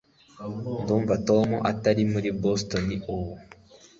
Ndumva Tom atari muri Boston ubu